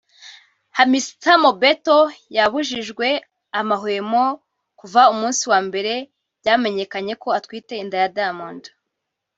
Hamisa Mobetto yabujijwe amahwemo kuva umunsi wa mbere byamenyekanye ko atwite inda ya Diamond